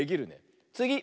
つぎ！